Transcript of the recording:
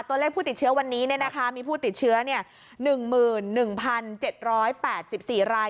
ตัวเลขผู้ติดเชื้อวันนี้มีผู้ติดเชื้อ๑๑๗๘๔ราย